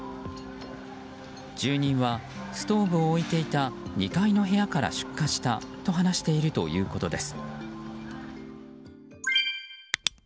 住人はストーブを置いていた２階の部屋から出火したと話しているということです。